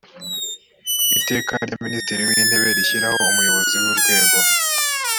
iteka rya minisitiri w intebe rishyiraho umuybozi w urwego